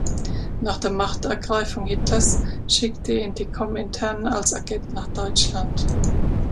Nach der Machtergreifung Hitlers schickte ihn die Komintern als Agent nach Deutschland.